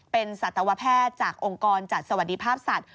เป็นสัตวแพทย์จากองค์กรจัดสวัสดิภาพสัตว